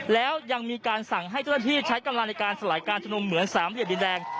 แล้วยังมีการสั่งให้เจ้าหน้าที่ใช้กำลังในการสลายการชุมนุมเหมือนสามเหลี่ยมดินแดง